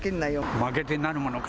負けてなるものか。